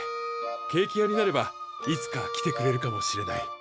ケーキ屋になればいつか来てくれるかもしれない。